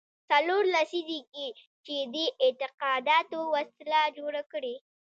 څلور لسیزې کېږي چې دې اعتقاداتو وسله جوړه کړې.